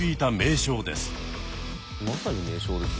まさに名将ですよ